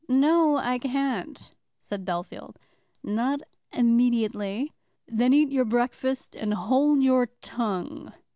"No, I can't," said Bellfield; "not immediately." "Then eat your breakfast, and hold your tongue."